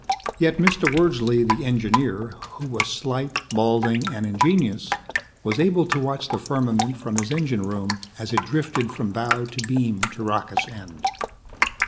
Yet Mr. Wordsley, the engineer, who was slight, balding and ingenious, was able to watch the firmament from his engine room as it drifted from bow to beam to rocket's end.